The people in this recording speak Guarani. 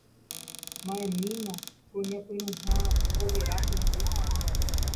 ma'ẽmína ko ñapyrũha overa hendy.